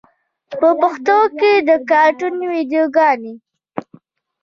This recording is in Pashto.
په پښتو کې د کاټون ویډیوګانې